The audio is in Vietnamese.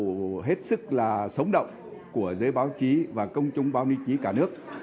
đây là một cuộc hội tù hết sức là sống động của giới báo chí và công chúng báo chí cả nước